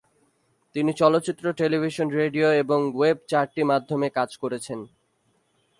তিনি চলচ্চিত্র, television, radio এবং ওয়েব চারটি মাধ্যমে কাজ করেছেন।